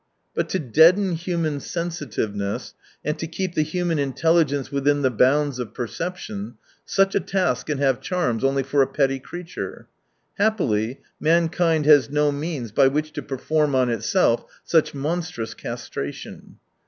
But to deaden human sensitiveness and to keep the human intelli gence within the bounds 6f perception, such a task can have charms only for a petty creature. Happily, mankind has no means by which to perform on itself such monstrous castration.